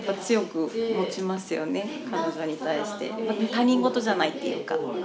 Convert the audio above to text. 他人事じゃないっていうか。